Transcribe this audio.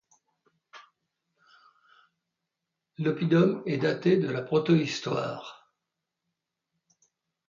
L'oppidum est daté de la Protohistoire.